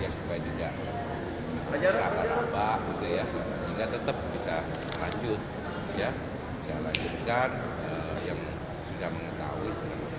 supaya tidak terlambat sehingga tetap bisa lanjutkan yang sudah mengetahui